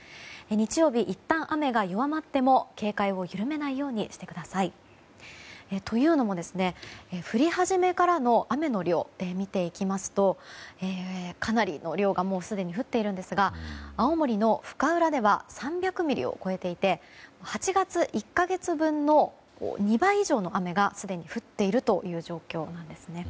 日曜日、いったん雨が弱まっても警戒を緩めないようにしてください。というのも降り始めからの雨の量を見ていきますと、かなりの量がもうすでに降っているんですが青森の深浦では３００ミリを超えていて８月の１か月分の２倍以上の雨がすでに降っているという状況なんです。